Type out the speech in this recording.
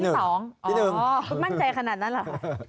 ที่๑คุณมั่นใจขนาดนั้นหรอ